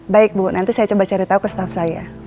baik bu nanti saya coba cari tahu ke staff saya